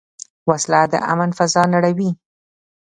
وسله د امن فضا نړوي